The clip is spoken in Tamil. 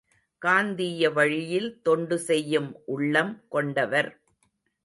காந்தீய வழியில் தொண்டு செய்யும் உள்ளம் கொண்டவர்.